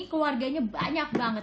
keluarganya banyak banget